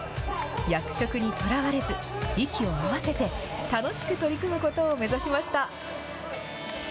役職にとらわれず、息を合わせて、楽しく取り組むことを目指しました。